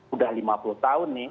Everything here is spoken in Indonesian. udah lima puluh tahun nih